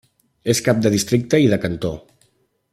És cap de districte i de cantó.